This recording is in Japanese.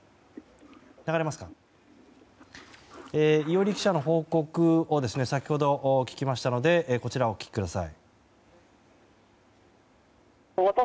伊従記者の報告を先ほど聞きましたのでこちらをお聞きください。